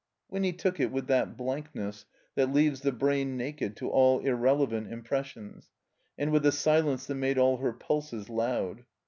Winny took it with that blankness that leaves the brain naked to all irrelevant impressions, and with a silence that made all her pulses loud.